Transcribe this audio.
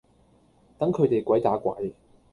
等佢地鬼打鬼